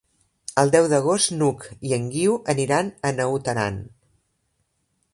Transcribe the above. El deu d'agost n'Hug i en Guiu aniran a Naut Aran.